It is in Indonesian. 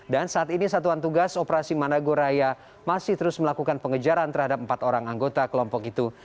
dan saat ini satuan tugas operasi madagoraya masih terus melakukan pengejaran terhadap empat orang anggota kelompok itu